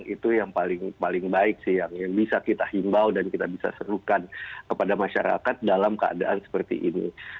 itu yang paling baik sih yang bisa kita himbau dan kita bisa serukan kepada masyarakat dalam keadaan seperti ini